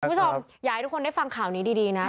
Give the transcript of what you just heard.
คุณผู้ชมอยากให้ทุกคนได้ฟังข่าวนี้ดีนะ